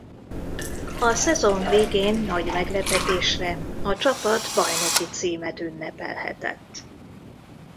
A szezon végén nagy meglepetésre a csapat bajnoki címet ünnepelhetett.